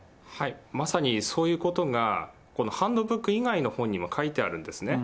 まさにそういうことがこのハンドブック以外の本にも書いてあるんですね。